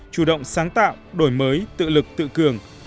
chủ động sáng tạo đổi mới tự lực tự cường